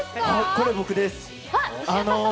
これ、僕です。